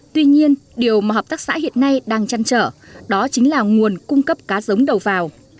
tuy nhiên điều mà hợp tác xã hiện nay đang chăn trở đó chính là nguồn cung cấp cá giống đầu vào